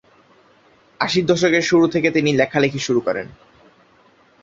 আশির দশকের শুরু থেকে তিনি লেখালেখি শুরু করেন।